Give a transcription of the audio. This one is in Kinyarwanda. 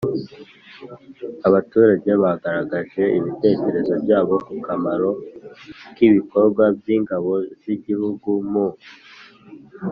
Abaturage bagaragaje ibitekerezo byabo ku kamaro k ibikorwa by ingabo z igihugu mu